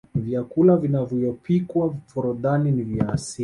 vyakula vinavyopikwa forodhani ni vya asili